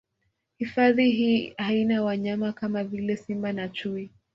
Hifadhi hii haina wanyama kama vile Simba na Chui